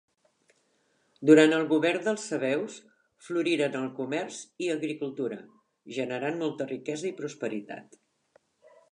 Durant el govern dels sabeus, floriren el comerç i agricultura, generant molta riquesa i prosperitat.